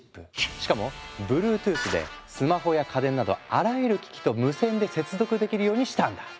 しかもＢｌｕｅｔｏｏｔｈでスマホや家電などあらゆる機器と無線で接続できるようにしたんだ。